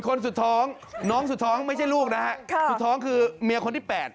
คุณท้องไม่ใช่ลูกนะครับคุณท้องคือเมียคนที่๘